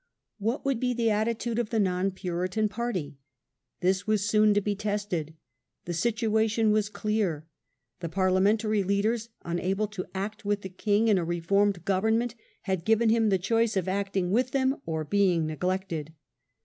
What would be the attitude of the non Puritan party? This was soon to be tested. The situation was clear. The Parliamentary leaders, unable to act with the king in a reformed government, had given him the choice of acting with them or being neglected.